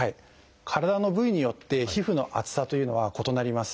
体の部位によって皮膚の厚さというのは異なります。